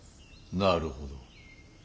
なるほど。